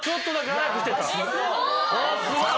すごい！